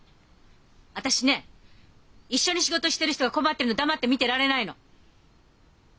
私ね一緒に仕事してる人が困ってるの黙って見てられないの。